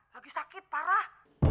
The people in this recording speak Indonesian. lagi sakit parah